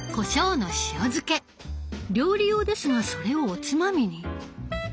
料理用ですがそれをおつまみに。